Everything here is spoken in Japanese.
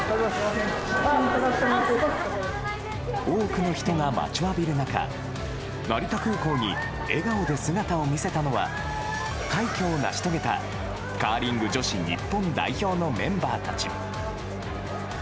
多くの人が待ちわびる中成田空港に笑顔で姿を見せたのは快挙を成し遂げたカーリング女子日本代表のメンバーたち。